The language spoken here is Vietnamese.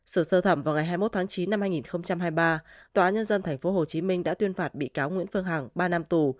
sự sơ thẩm vào ngày hai mươi một tháng chín năm hai nghìn hai mươi ba tòa nhân dân tp hcm đã tuyên phạt bị cáo nguyễn phương hằng ba năm tù